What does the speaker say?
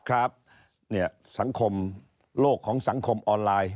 ครับเนี่ยสังคมโลกของสังคมออนไลน์